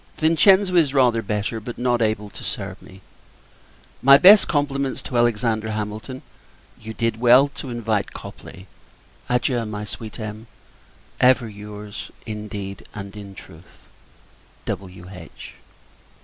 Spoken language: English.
Vincenzo is rather better, but not able to serve me. My best compliments to Alexander Hamilton. You did well, to invite Copley. Adieu! my sweet Em. Ever your's, in deed and in truth, W.H.